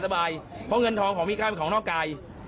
เพราะเงินทองของมีค่าเป็นของนอกกาย